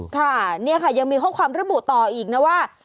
ค่ะนี่ค่ะยังมีข้อความระบุต่ออีกนะว่า